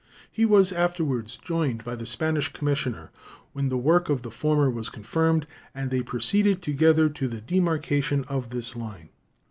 He was afterwards joined by the Spanish commissioner, when the work of the former was confirmed, and they proceeded together to the demarcation of the line.